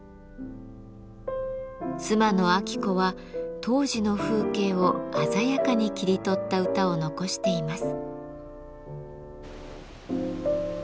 妻の晶子は当時の風景を鮮やかに切り取った歌を残しています。